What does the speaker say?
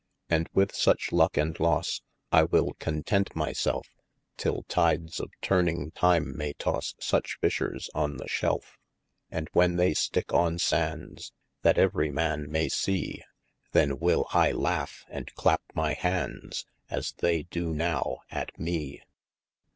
And with such lucke and losse, I will content my selfe : Till tydes of turning time maye tosse, Suche fishers on the shelfe. And when they sticke on sondes, That everie man maie see : Then will I laugh and clappe my handes, As they doe nowe at mee.